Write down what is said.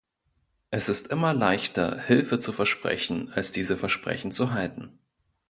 Es ist immer leichter, Hilfe zu versprechen als diese Versprechen zu halten.